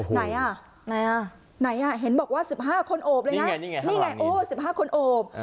ไหนอ่ะไหนอ่ะไหนอ่ะเห็นบอกว่า๑๕คนโอบเลยนะนี่ไงโอ้๑๕คนโอบ